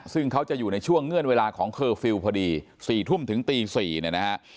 ซึ่งเขาจะอยู่ในช่วงเงื่อนเวลาของเคอร์ฟิลล์พอดี๔ทุ่มถึงตี๔เนี่ยนะฮะ